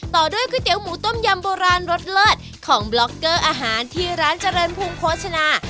ต่อด้วยก๋วยเตี๋ยหมูต้มยำโบราณรสเลิศของบล็อกเกอร์อาหารที่ร้านเจริญภูมิโภชนา